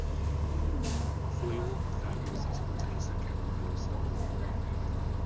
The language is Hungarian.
A folyó a felduzzasztott részeken hajózható.